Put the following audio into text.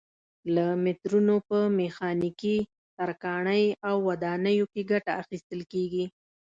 له مترونو په میخانیکي، ترکاڼۍ او ودانیو کې ګټه اخیستل کېږي.